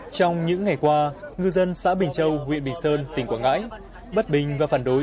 trong những ngày qua ngư dân xã bình châu huyện bình sơn tỉnh quảng ngãi bất bình và phản đối